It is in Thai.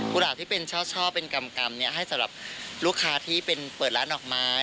หลาบที่เป็นชอบเป็นกรรมให้สำหรับลูกค้าที่เป็นเปิดร้านดอกไม้